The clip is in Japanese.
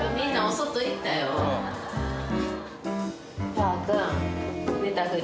かーくん。